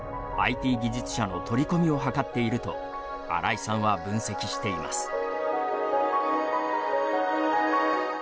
ＩＴ技術者の取り込みを図っていると新井さんは分析しています。